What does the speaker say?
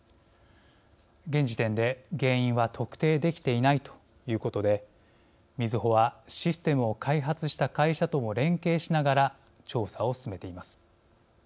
現時点で、原因は特定できていないということでみずほはシステムを開発した会社とも連携しながら調査を進めています。